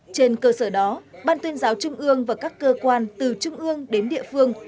trên cơ sở đó ban tuyên giáo trung ương và các cơ quan từ trung ương đến địa phương